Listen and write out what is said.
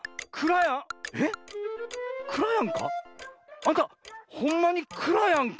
あんたほんまにくらやんか？」。